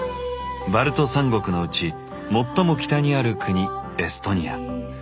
バルト三国のうち最も北にある国エストニア。